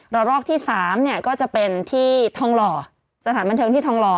รอกที่๓เนี่ยก็จะเป็นที่ทองหล่อสถานบันเทิงที่ทองหล่อ